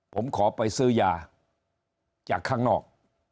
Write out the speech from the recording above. ผมขอไปซื้อยาจากข้างนอก